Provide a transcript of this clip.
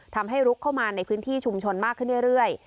ลุกเข้ามาในพื้นที่ชุมชนมากขึ้นเรื่อย